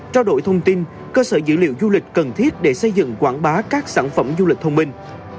trao đổi thông tin cơ sở dữ liệu du lịch cần thiết để xây dựng quảng bá các sản phẩm du lịch thông minh